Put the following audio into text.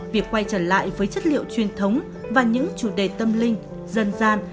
việc quay trở lại với chất liệu truyền thống và những chủ đề tâm linh dân gian